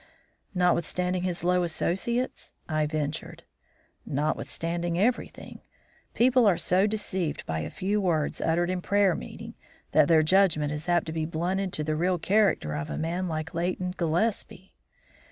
"Notwithstanding his low associates?" I ventured. "Notwithstanding everything. People are so deceived by a few words uttered in prayer meeting, that their judgment is apt to be blunted to the real character of a man like Leighton Gillespie."